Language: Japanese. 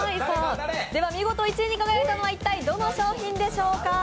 では見事１位に輝いたのは一体どの商品でしょうか。